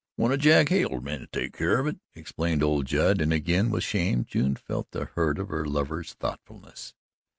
"One o' Jack Hale's men takes keer of it," explained old Judd, and again, with shame, June felt the hurt of her lover's thoughtfulness.